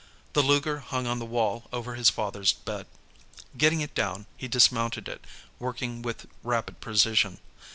The Luger hung on the wall over his father's bed. Getting it down, he dismounted it, working with rapid precision.